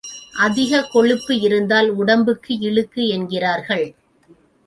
அதிகக் கொழுப்பு இருந்தால் உடம்புக்கு இழுக்கு என்கிறார்கள்.